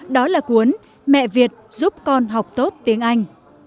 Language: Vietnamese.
đó là cuốn mẹ việt giúp con học tốt tiếng anh